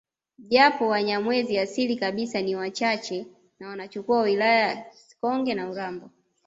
Japo wanyamwezi asili kabisa ni wachache na wanachukua wilaya ya Sikonge na urambo